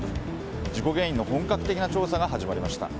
事故原因の本格的な調査が始まりました。